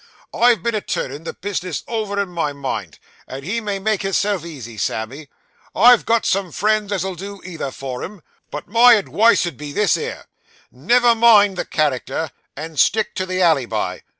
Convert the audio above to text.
I've been a turnin' the bis'ness over in my mind, and he may make his self easy, Sammy. I've got some friends as'll do either for him, but my adwice 'ud be this here never mind the character, and stick to the alleybi.